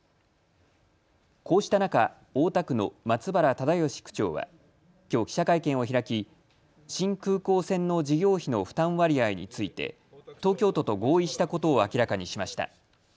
こうした中、大田区の松原忠義区長はきょう記者会見を開き新空港線の事業費の負担割合について東京都と合意したことを明らかにしました。